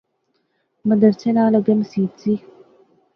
مدرسے نال اگے مسیت زی